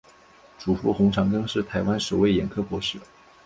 祖父洪长庚是台湾首位眼科博士。